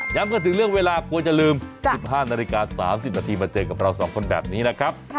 กันถึงเรื่องเวลากลัวจะลืม๑๕นาฬิกา๓๐นาทีมาเจอกับเราสองคนแบบนี้นะครับ